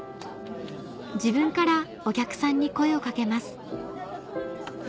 自分からお客さんに声を掛けます